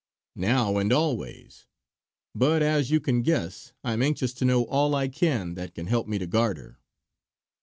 "Now and always! But as you can guess I am anxious to know all I can that can help me to guard her."